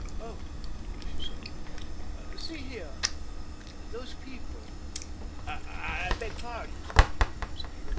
"Oh!" she said. "See here, those people." "I beg pardon," he hesitated.